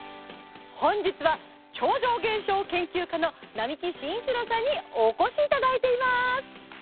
本日は超常現象研究家の並木伸一郎さんにおこしいただいています。